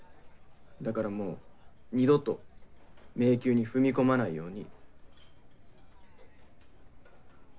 だからもう二度と迷宮に踏み込まないように。